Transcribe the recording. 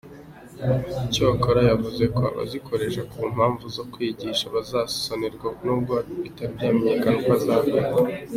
Icyakora yavuze ko abazikoresha ku mpamvu zo kwigisha bazasonerwa nubwo bitaramenyekana uko bizakorwa.